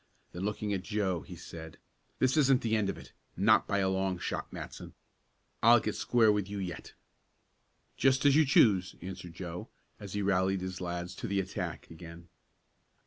Then looking at Joe he said: "This isn't the end of it; not by a long shot, Matson. I'll get square with you yet." "Just as you choose," answered Joe, as he rallied his lads to the attack again.